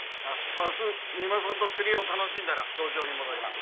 明日三馬さんと釣りを楽しんだら東京に戻ります。